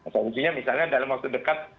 solusinya misalnya dalam waktu dekat